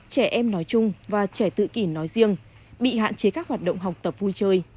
trẻ em nói chung và trẻ tự kỷ nói riêng bị hạn chế các hoạt động học tập vui chơi